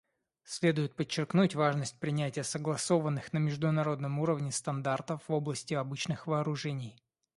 Следует подчеркнуть важность принятия согласованных на международном уровне стандартов в области обычных вооружений.